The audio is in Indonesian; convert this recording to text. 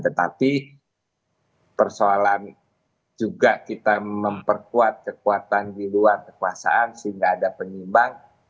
tetapi persoalan juga kita memperkuat kekuatan di luar kekuasaan sehingga ada penyimbang